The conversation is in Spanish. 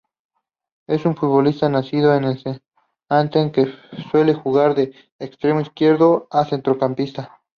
Es un futbolista nacido en Santander que suele jugar de extremo izquierdo y centrocampista.